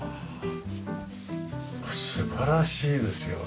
素晴らしいですよね。